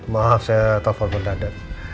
maaf saya telepon berdadak